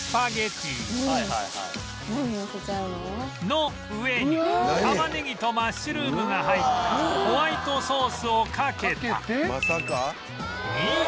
の上に玉ねぎとマッシュルームが入ったホワイトソースをかけた